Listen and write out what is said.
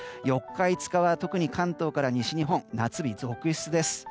４日、５日は特に関東から西日本夏日続出です。